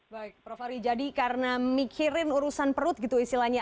baik prof ari jadi karena mikirin urusan perut gitu istilahnya